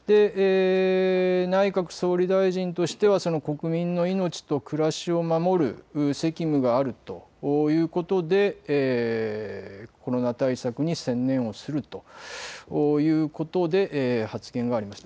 内閣総理大臣としては国民の命と暮らしを守る責務があるということでコロナ対策に専念をするということで発言がありました。